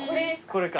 これか。